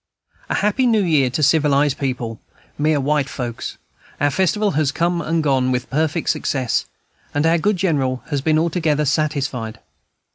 A happy New Year to civilized people, mere white folks. Our festival has come and gone, with perfect success, and our good General has been altogether satisfied.